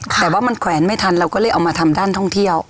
แต่ว่ามันแขวนไม่ทันเราก็เลยเอามาทำด้านท่องเที่ยว